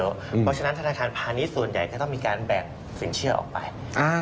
เพราะฉะนั้นธนาคารพาณิชย์ส่วนใหญ่ก็ต้องมีการแบ่งสินเชื่อออกไป